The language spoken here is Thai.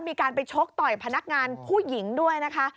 มีการไปชกต่อยพนักงานผู้หญิงด้วยนะคะ